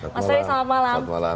mas ferry selamat malam